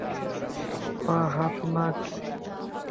বা হাত না-কি ডান?